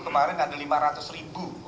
kemarin ada lima ratus ribu